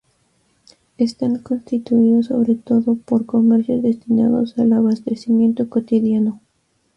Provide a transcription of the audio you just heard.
Están constituidos sobre todo por comercios destinados al abastecimiento cotidiano.